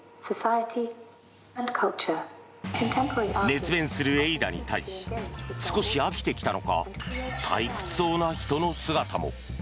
熱弁するＡｉ−Ｄａに対し少し飽きてきたのか退屈そうな人の姿も。